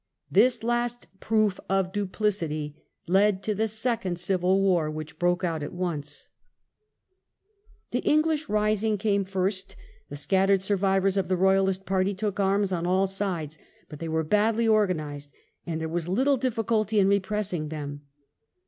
This last proof of duplicity led to the Second Civil War, which broke out at once. 58 A SCOTTISH INVASION. The English rising came first; the scattered survivors of the Royalist party took arms on all sides, but they were badly organized, and there was little second civil difficulty in repressing them.